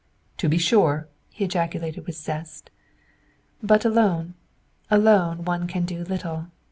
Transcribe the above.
"To be sure!" he ejaculated with zest. "But alone alone one can do little.